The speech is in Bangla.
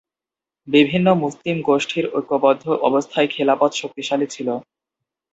বিভিন্ন মুসলিম গোষ্ঠীর ঐক্যবদ্ধ অবস্থায় খিলাফত শক্তিশালী ছিল।